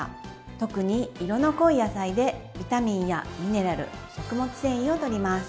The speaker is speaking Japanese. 特に色の濃い野菜でビタミンやミネラル食物繊維をとります。